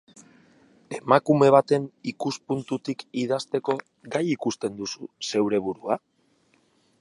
Emakume baten ikuspuntutik idazteko gai ikusten duzu zeure burua?